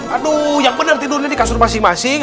aduh yang benar tidurnya di kasur masing masing